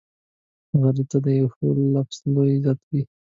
غریب ته یو ښه لفظ لوی عزت وي